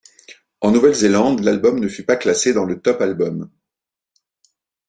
En Nouvelle-Zélande, l'album ne fut pas classé dans le top albums.